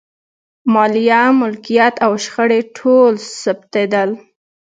مالیه، ملکیت او شخړې ټول ثبتېدل.